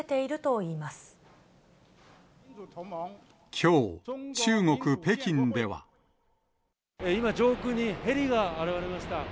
きょう、今、上空にヘリが現れました。